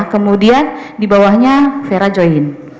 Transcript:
kemudian dibawahnya vera join